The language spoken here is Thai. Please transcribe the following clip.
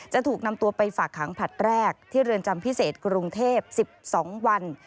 จะถูกนำตัวไปฝากขังผลัดแรกที่เรือนจำพิเศษกรุงเทพ๑๒วัน